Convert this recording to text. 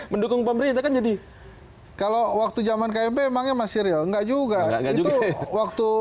mendukung pemerintah kan jadi kalau waktu zaman kmp emangnya masih real enggak juga itu waktu